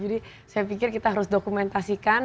jadi saya pikir kita harus dokumentasikan